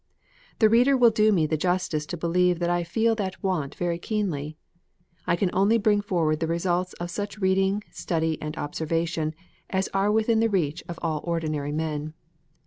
The reader will do me the justice to believe that I feel that want very keenly. I can only bring forward the results of such reading, study, and observation, as are within the reach of all ordinary men.